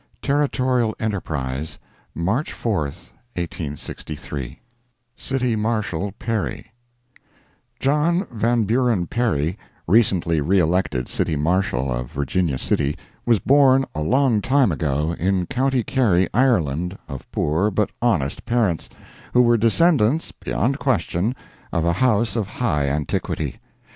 Territorial Enterprise, March 4, 1863 CITY MARSHALL PERRY John Van Buren Perry, recently re elected City Marshal of Virginia City, was born a long time ago, in County Kerry, Ireland, of poor but honest parents, who were descendants, beyond question, of a house of high antiquity.